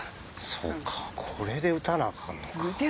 そうかこれで打たなアカンのか。